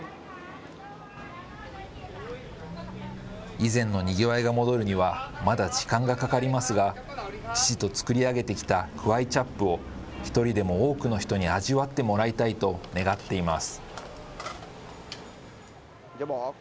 以前のにぎわいが戻るにはまだ時間がかかりますが、父と作り上げてきたクワイチャップを一人でも多くの人に味わってもらいたいと願っています。